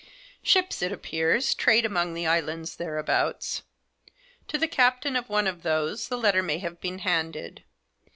Ships, it appears, trade among the islands thereabouts. To the captain of one of those the letter may have been handed.